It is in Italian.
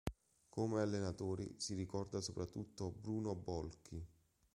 Come allenatori si ricorda soprattutto Bruno Bolchi.